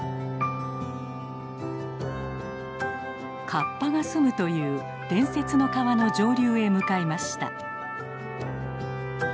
カッパが住むという伝説の川の上流へ向かいました。